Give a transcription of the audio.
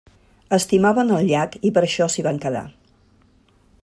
Estimaven el llac, i per això s'hi van quedar.